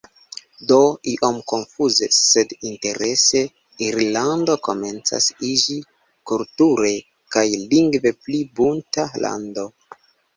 Do, iom konfuze, sed interese, Irlando komencas iĝi kulture kaj lingve pli bunta lando.